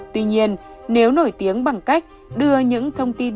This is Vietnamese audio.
tuy nhiên nếu nổi tiếng bằng cách đưa những thông tin